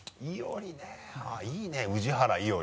いいね宇治原以織。